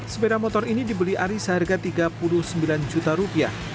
sepeda motor ini dibeli aris harga rp tiga puluh sembilan